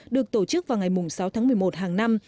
được tổ chức vào ngày sáu tháng một mươi một hàng năm